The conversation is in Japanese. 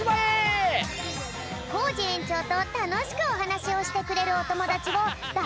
コージえんちょうとたのしくおはなしをしてくれるおともだちをだ